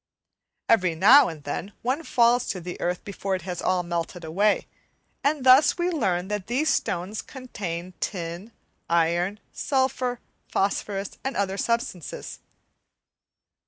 Every now and then one falls to the earth before it is all melted away, and thus we learn that these stones contain tin, iron, sulphur, phosphorus, and other substances.